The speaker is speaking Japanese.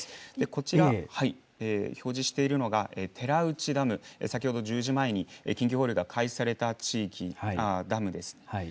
こちら、表示しているのが寺内ダム、先ほど１０時前に緊急放流が開始されたダムです。